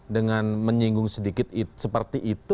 dengan menyinggung sedikit seperti itu